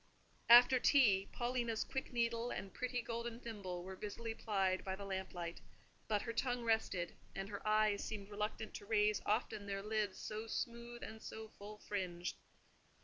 After tea, Paulina's quick needle and pretty golden thimble were busily plied by the lamp light, but her tongue rested, and her eyes seemed reluctant to raise often their lids, so smooth and so full fringed.